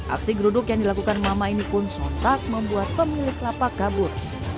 aksi geruduk yang dilakukan mama ini pun sontak membuat pemilik lapak kabur